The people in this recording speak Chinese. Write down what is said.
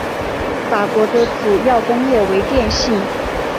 法国的主要工业为电信。